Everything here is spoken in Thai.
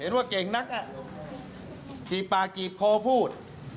เห็นว่าเก่งนักจีบปากจีบคอพูด